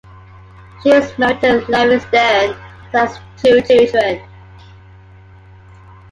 She is married to Larry Stern and has two children.